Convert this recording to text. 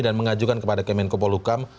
dan mengajukan kepada kemenko polhukam